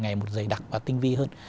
ngày một dày đặc và tinh vi hơn